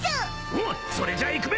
おっそれじゃあいくべ！